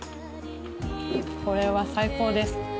これは最高です。